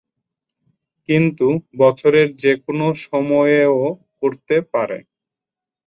কিন্ত বছরের যেকোনো সময়েও করতে পারে।